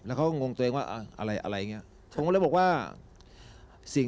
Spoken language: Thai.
แล้วเขาตื่นไหม